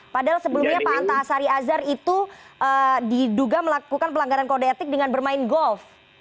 padahal sebelumnya pak antasari azhar itu diduga melakukan pelanggaran kode etik dengan bermain golf